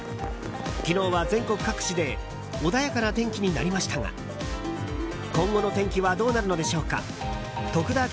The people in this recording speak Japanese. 昨日は全国各地で穏やかな天気になりましたが今後の天気はどうなるのでしょうか。